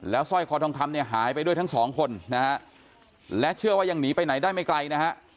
สร้อยคอทองคำเนี่ยหายไปด้วยทั้งสองคนนะฮะและเชื่อว่ายังหนีไปไหนได้ไม่ไกลนะฮะ